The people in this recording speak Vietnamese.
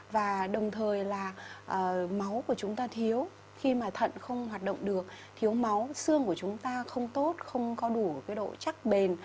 và đồng thời là máu của chúng ta thiếu khi mà thận không hoạt động được thiếu máu xương của chúng ta không tốt không có đủ độ chắc bền